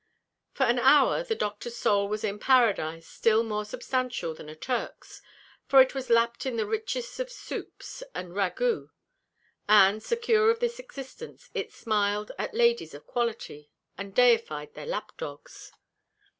For an hour the Doctor's soul was in a paradise still more substantial than a Turk's; for it was lapt in the richest of soups and ragoûts, and, secure of their existence, it smiled at ladies of quality, and deified their lap dogs.